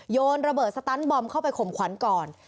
โยนระเบิดสตันบอมเข้าไปข่มขวัญก่อน